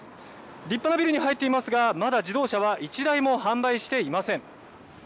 立派なビルに入っていますがまだ自動車は一台も販売していません。